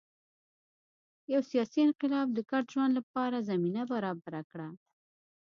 یو سیاسي انقلاب د ګډ ژوند لپاره زمینه برابره کړه